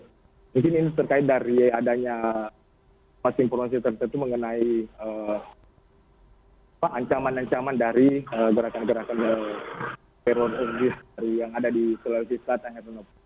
mungkin ini terkait dari adanya masing masing proses tersebut mengenai ancaman ancaman dari gerakan gerakan teroris yang ada di sulawesi selatan